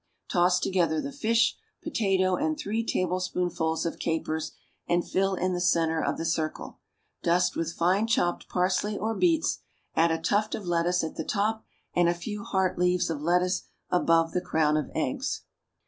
Toss together the fish, potato and three tablespoonfuls of capers, and fill in the centre of the circle. Dust with fine chopped parsley or beets; add a tuft of lettuce at the top and a few heart leaves of lettuce above the crown of eggs.